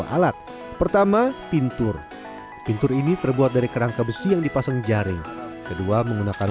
alat pertama pintur pintu pintur ini terbuat dari kerangka besi yang dipasang jaring kedua menggunakan